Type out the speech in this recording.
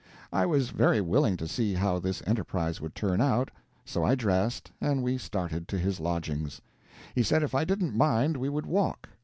I was very willing to see how this enterprise would turn out, so I dressed, and we started to his lodgings. He said if I didn't mind we would walk.